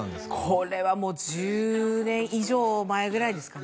これはもう１０年以上前ぐらいですかね